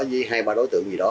với hai ba đối tượng gì đó